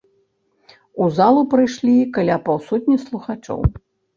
У залу прыйшлі каля паўсотні слухачоў.